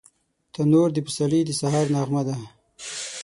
تنور د پسرلي د سهار نغمه ده